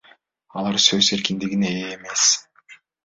Алар сөз эркиндигине ээ эмес.